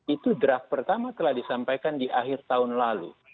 itu draft pertama telah disampaikan di akhir tahun lalu